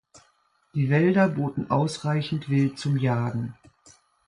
Die Wälder boten ausreichend Wild zum Jagen.